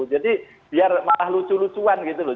jadi biar malah lucu lucuan gitu loh